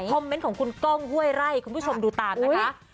เมนต์ของคุณก้องห้วยไร่คุณผู้ชมดูตามนะคะ